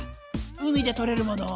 海でとれるもの